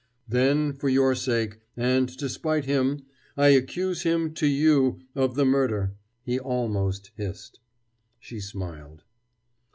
"Then, for your sake, and to spite him, I accuse him to you of the murder!" he almost hissed. She smiled.